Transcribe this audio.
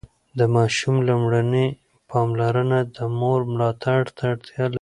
د ماشوم لومړني پاملرنه د مور ملاتړ ته اړتیا لري.